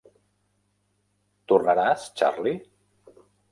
Tornaràs, Charley?